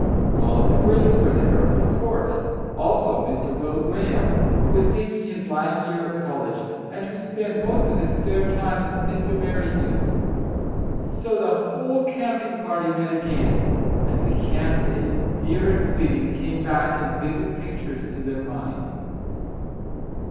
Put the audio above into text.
All of the Greys were there, of course; also Mr. Will Graham, who was tak ing his last year at college, and who spent most of his spare time at Mr. Merrithew's. So the whole camping party met again, and the camp days, dear and fleeting, came back in vivid pictures to their minds.